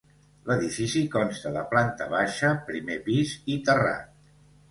L'edifici consta de planta baixa, primer pis i terrat.